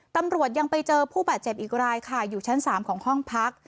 ตำรวจยังไปเจอผู้บาดเจ็บอีกรายค่ะอยู่ชั้น๓ของห้องพัก